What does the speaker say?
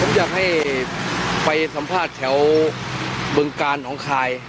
ผมอยากให้ไปสัมภาษณ์แถวบึงกาลหนองคาย